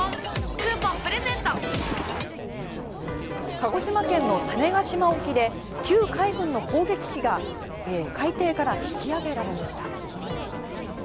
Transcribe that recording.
鹿児島県の種子島沖で旧海軍の攻撃機が海底から引き揚げられました。